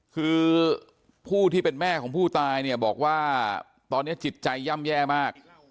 คือผู้ที่เป็นแม่ของผู้ตายเนี่ยบอกว่าตอนนี้จิตใจย่ำแย่มาก